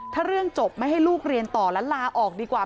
ถ้าเรื่องจบไม่ให้ลูกเรียนต่อแล้วลาออกดีกว่า